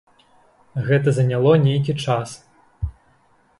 Гэта заняло нейкі час.